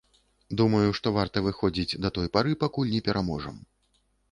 Думаю, што варта выходзіць да той пары, пакуль не пераможам.